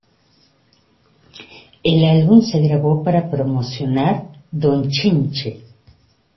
El álbum se grabó para promocionar Don Chinche.